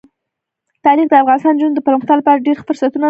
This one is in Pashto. تاریخ د افغان نجونو د پرمختګ لپاره ډېر ښه فرصتونه په نښه کوي.